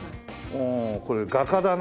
あこれ画家だな。